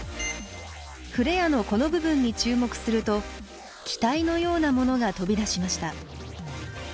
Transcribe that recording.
フレアのこの部分に注目すると気体のようなものが飛び出しました。